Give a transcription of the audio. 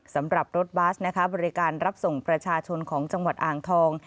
สำหรับรถบัสนะคะบริการรับส่งประชาชนของจังหวัดอ่างทอง